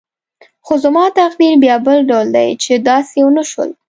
خو زما تقدیر بیا بل ډول دی چې داسې ونه شول.